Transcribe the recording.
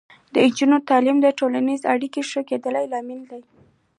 د نجونو تعلیم د ټولنیزو اړیکو د ښه کیدو لامل دی.